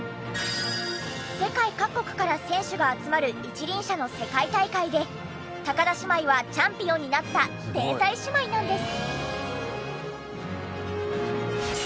世界各国から選手が集まる一輪車の世界大会で田姉妹はチャンピオンになった天才姉妹なんです。